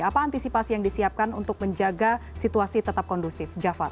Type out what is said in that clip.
apa antisipasi yang disiapkan untuk menjaga situasi tetap kondusif jafar